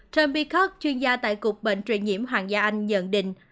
tom peacock chuyên gia tại cục bệnh truyền nhiễm hoàng gia anh nhận định